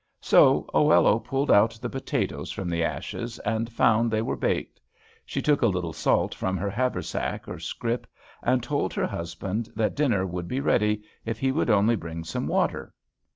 So Oello pulled out the potatoes from the ashes, and found they were baked; she took a little salt from her haversack or scrip, and told her husband that dinner would be ready, if he would only bring some water.